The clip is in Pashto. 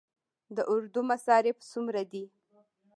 د اردو مصارف څومره دي؟